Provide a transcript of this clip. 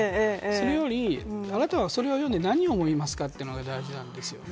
それより、あなたはそれを読んで何を思いますかというのが大事なんですよね。